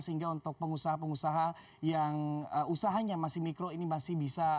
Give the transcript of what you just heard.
sehingga untuk pengusaha pengusaha yang usahanya masih mikro ini masih bisa